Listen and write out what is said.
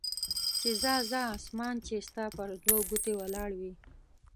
چې ځه ځه اسمان چې ستا پر دوه ګوتې ولاړ وي.